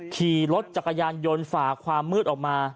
ขี่รถจักรยานยนต์ฝ่าความมืดออกมา